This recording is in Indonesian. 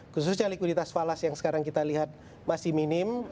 khususnya likuiditas falas yang sekarang kita lihat masih minim